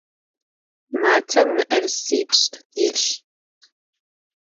Matem mı'erısipş' yilh.